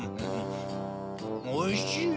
おいしいね！